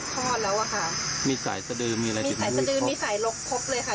บูรณ์แล้วพอบคลอดแล้วอ่ะค่ะมีสายสะดืมมีอะไรมีสายสะดืมมีสายลกพบเลยค่ะ